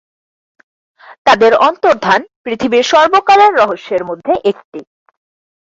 তাদের অন্তর্ধান পৃথিবীর সর্বকালের রহস্যের মধ্যে একটি।